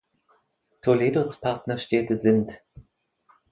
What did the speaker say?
Toledos Partnerstädte sind